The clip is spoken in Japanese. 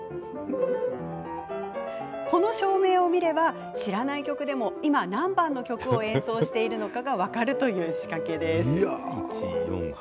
この照明を見れば知らない曲でも今、何番の曲を演奏しているのか分かるという仕掛けです。